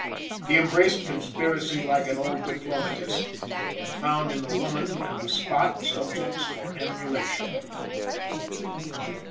He embraced conspiracy like an old diplomatist, and found in the woman and the spot subjects for emulation.